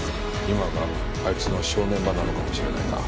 今があいつの正念場なのかもしれないな。